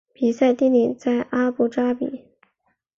比赛地点在阿布扎比。